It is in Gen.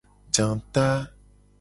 Janguta.